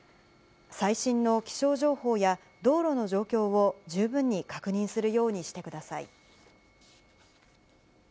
最新の気象情報や、道路の状況を十分に確認するようにしてください。